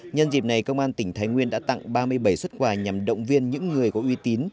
nhân dịp này công an tỉnh thái nguyên đã tặng ba mươi bảy xuất quà nhằm động viên những người có uy tín